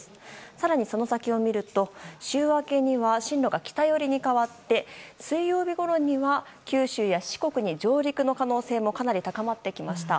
更にその先を見ると、週明けには進路が北寄りに変わって水曜日ごろには九州や四国に上陸の可能性もかなり高まってきました。